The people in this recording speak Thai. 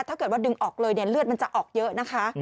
ถ้าเกิดว่าดึงออกเลยเนี่ยเลือดมันจะออกเยอะนะคะ